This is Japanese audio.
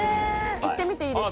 いってみていいですか？